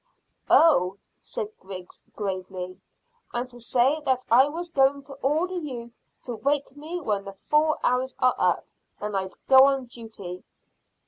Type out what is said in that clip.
"Oh!" said Griggs gravely. "And to say that I was going to order you to wake me when the four hours are up, and I'd go on duty."